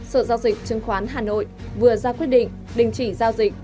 sở giao dịch chứng khoán hà nội vừa ra quyết định đình chỉ giao dịch